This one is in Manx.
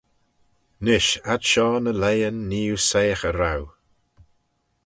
Nish ad shoh ny leighyn nee oo soiaghey roue.